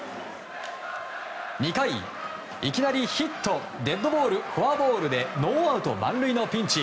２回いきなり、ヒットデッドボール、フォアボールでノーアウト満塁のピンチ。